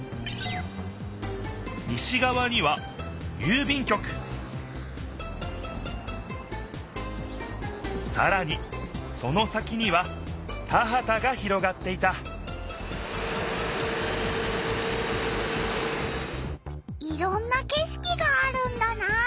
西がわには郵便局さらにその先には田はたが広がっていたいろんなけしきがあるんだなあ。